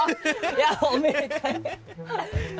いやおめでたい！